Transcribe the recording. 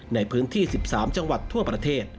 ในพื้นที่๑๓จังหวัดทั่วประเทศ